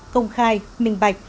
công khai minh bạch